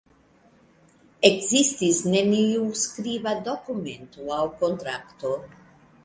Ekzistis neniu skriba dokumento aŭ kontrakto.